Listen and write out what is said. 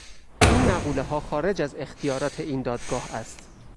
این مقولهها خارج از اختیارات این دادگاه است.